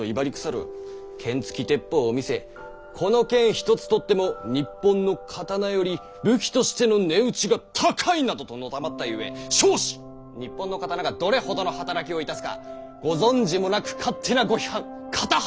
剣つき鉄砲を見せ「この剣一つとっても日本の刀より武器としての値打ちが高い」などとのたまったゆえ「笑止！日本の刀がどれほどの働きを致すかご存じもなく勝手なご批判片腹